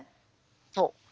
そう。